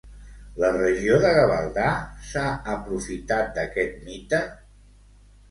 La regió de Gavaldà s'ha aprofitat d'aquest mite?